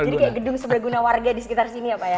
jadi kayak gedung sebaguna warga disekitar sini ya pak ya